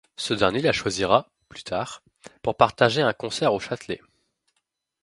Ce dernier la choisira, plus tard, pour partager un concert au Châtelet.